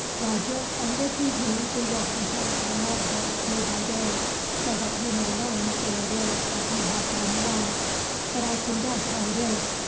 "Roger, from this evening we will compare our log books day by day, so that you may learn where it is that you have gone wrong. But I can guess how it is.